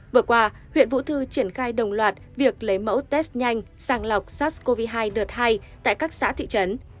vừa qua huyện vũ thư triển khai đồng loạt việc lấy mẫu test nhanh sàng lọc sars cov hai đợt hai tại các xã thị trấn